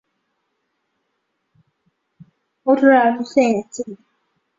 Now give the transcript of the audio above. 穆蒂耶高石人口变化图示